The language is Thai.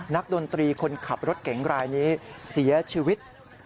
ดนตรีคนขับรถเก๋งรายนี้เสียชีวิต